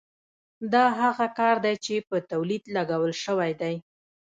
دا هغه کار دی چې په تولید لګول شوی دی